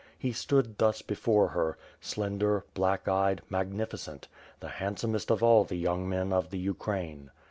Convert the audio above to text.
He stood thus before her, slender, black eyed, magnificent; the handsomest of all the young men of the Ukraine.